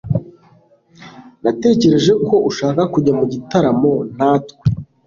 natekereje ko ushaka kujya mu gitaramo natwe